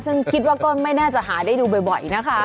ซึ่งคิดว่าก็ไม่น่าจะหาได้ดูบ่อยนะคะ